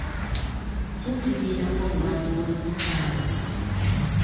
Ki ekiviirako obulwadde bwa sukaali?